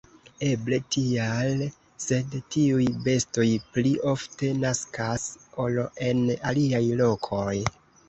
Eble tial, sed tiuj bestoj pli ofte naskas, ol en aliaj lokoj.